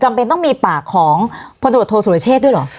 จำเป็นต้องมีปากของพศสุรเชษฐ์ด้วยหรอ